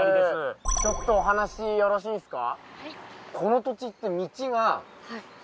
ちょっとお話よろしいですか？